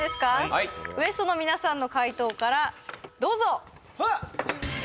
はいＷＥＳＴの皆さんの解答からどうぞ・はあ！